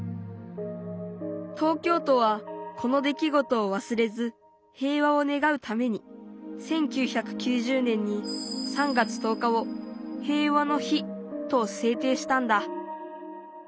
東京都はこの出来事をわすれず平和をねがうために１９９０年に３月１０日を「平和の日」と制定したんだ。